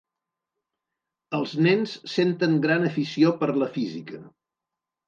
Els nens senten gran afició per la Física.